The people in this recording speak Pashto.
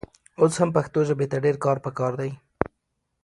اوس هم پښتو ژبې ته ډېر کار پکار دی.